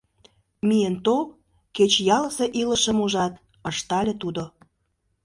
— Миен тол, кеч ялысе илышым ужат, — ыштале тудо.